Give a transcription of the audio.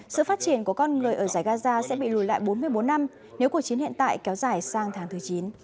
sự phát triển của con người ở giải gaza sẽ bị lùi lại bốn mươi bốn năm nếu cuộc chiến hiện tại kéo dài sang tháng thứ chín